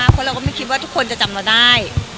อยากมากพอเราก็ไม่คิดว่าทุกคนจะจักได้